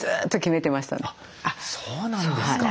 そうなんですか。